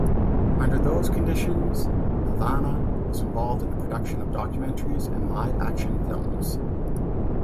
Under those conditions, Nelvana was involved in the production of documentaries and live-action films.